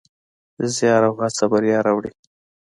زیار او هڅه بریا راوړي.